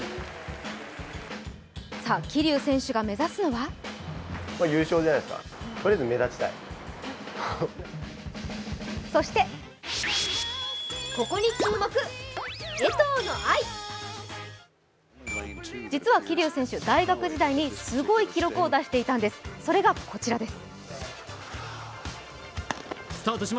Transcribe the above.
さあ、桐生選手が目指すのはそして実は桐生選手、大学時代にすごい記録を出していたんです、それがこちらです。